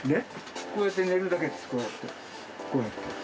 こうやって寝るだけです、こうやって。